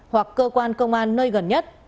hoặc cơ quan công an